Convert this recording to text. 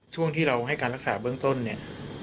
ช่วงที่เราให้การรักษาเบื้องต้นเนี่ย